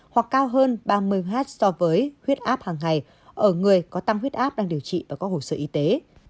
hoặc cao hơn ba mươi mét so với huyết áp hàng ngày ở người có tăng huyết áp đang điều trị và có hồ sơ y tế